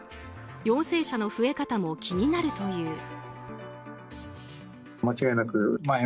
陽性者の増え方も気になるという。